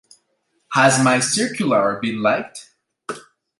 Has my circular been liked?